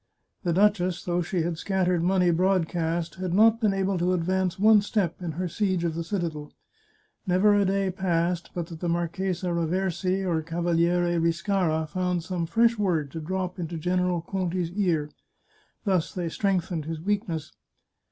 The duchess, though she had scattered money broadcast, had not been able to advance one step in her siege of the citadel. Never a day passed but that the Marchesa Raversi or Cavaliere Riscara found some fresh word to drop into General Conti's ear. Thus they strengthened his weakness.